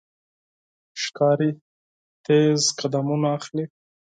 ښکاري تیز قدمونه اخلي.